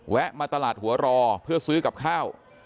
มาตลาดหัวรอเพื่อซื้อกับข้าว